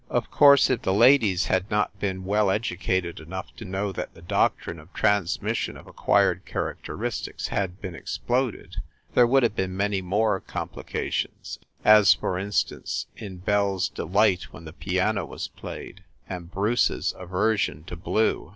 Of course, if the ladies had not been well edu cated enough to know that the doctrine of transmis sion of acquired characteristics had been exploded, there would have been many more complications; as, for instance, in Belle s delight when the piano was played, and Brace s aversion to blue.